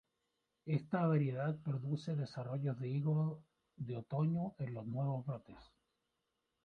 Esta variedad produce desarrollo de higos de otoño en los nuevos brotes.